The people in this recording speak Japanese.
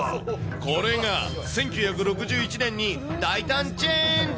これが１９６１年に、大胆チェンジ。